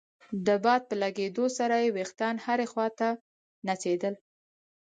د باد په لګېدو سره يې ويښتان هرې خوا ته نڅېدل.